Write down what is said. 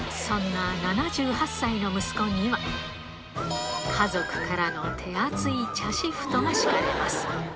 そんな７８歳の息子には、家族からの手厚い茶シフトが敷かれます。